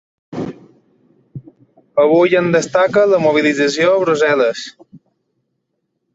Avui en destaca la mobilització a Brussel·les.